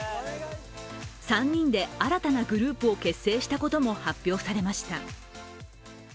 ３人で新たなグループを結成したことも発表されました。